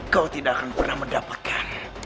kau tidak akan pernah mendapatkan